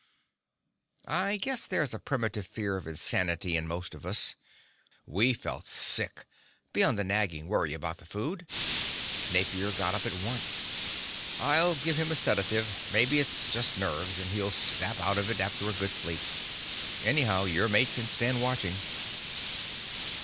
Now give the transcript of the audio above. I guess there's a primitive fear of insanity in most of us. We felt sick, beyond the nagging worry about the food. Napier got up at once. "I'll give him a sedative. Maybe it's just nerves, and he'll snap out of it after a good sleep. Anyhow, your mate can stand watching."